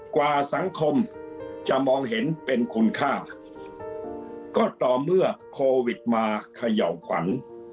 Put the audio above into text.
กว่าสังคมจะมองเห็นเป็นคุณค่าก็ต่อเมื่อโควิดมาเขย่าขวัญ